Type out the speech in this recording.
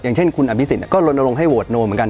อย่างเช่นคุณอภิษฐก็โดนอารมณ์ให้โหวดโนเหมือนกัน